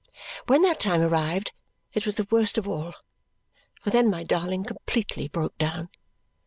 When that time arrived it was the worst of all, for then my darling completely broke down.